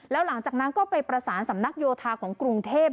แล้วหลังจากนั้นก็ไปประสานสำนักโยธาของกรุงเทพ